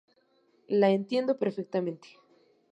La entiendo perfectamente.